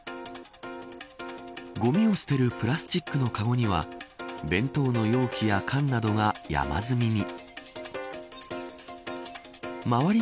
ごみを捨てるプラスチックのかごには弁当の容器や缶などが山積みに。